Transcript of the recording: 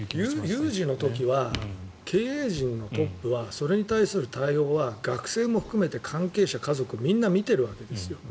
有事の時は経営陣のトップはそれに対する対応は学生も含めて関係者、家族みんな見ているわけですよ。